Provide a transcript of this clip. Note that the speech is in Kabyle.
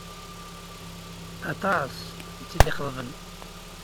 Aṭas i tt-id-ixeḍben.